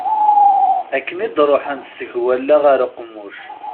Akken i d-ruḥent seg wallaɣ ɣer uqemmuc.